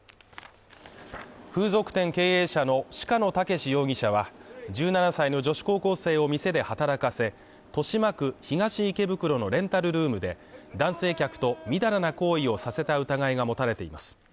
風俗店経営者の鹿野健容疑者は、１７歳の女子高校生を店で働かせ、豊島区東池袋のレンタルルームで男性客とみだらな行為をさせた疑いが持たれています。